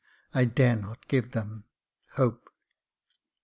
I dare not give them — hope.